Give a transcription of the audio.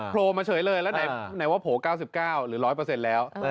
โผล่มาเฉยเลยแล้วไหนว่าโผล่๙๙หรือ๑๐๐แล้ว